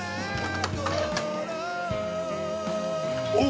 おう！